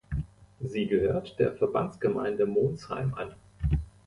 Sie gehört der Verbandsgemeinde Monsheim an.